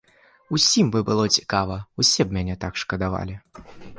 І ўсім бы было цікава, усе б мяне так шкадавалі!